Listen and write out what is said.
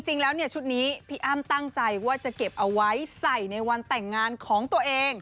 จริงแล้วเนี่ยชุดนี้พี่อ้ำตั้งใจว่าจะเก็บเอาไว้ใส่ในวันแต่งงานของตัวเอง